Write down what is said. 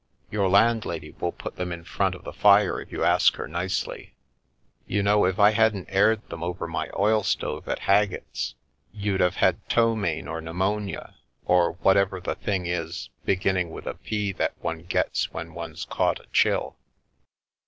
Your landlady will put them in front of the fire if you ask her nicely. You know if I hadn't aired them over my oil stove at Haggett's you'd have had ptomaine or pneumonia or whatever the thing is, beginning with a * p,' that one gets when one's caught a chill."